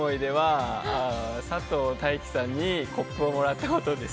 佐藤大樹さんにコップをもらったことです。